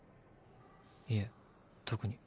いえ特に。